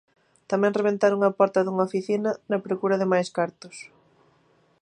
Tamén rebentaron a porta dunha oficina, na procura de máis cartos.